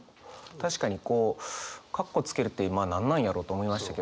確かにこうカッコつけるって何なんやろう？と思いましたけど。